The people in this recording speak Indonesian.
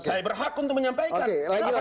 saya berhak untuk menyampaikan